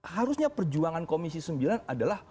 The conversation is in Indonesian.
harusnya perjuangan komisi sembilan adalah